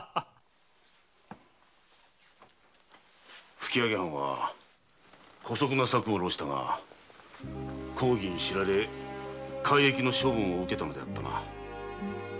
吹上藩は姑息な策を弄したが公儀に知られ改易の処分を受けたのであったな。